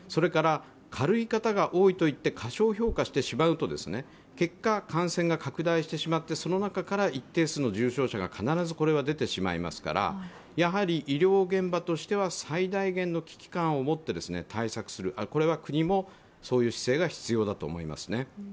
軽い方が多いといって過小評価してしまうと、結果、感染が拡大してしまってその中から一定数の重症者が必ず出てしまいますから、医療現場としては最大限の危機感を持って、対策するこれは国もそういう姿勢が必要だと思いますね。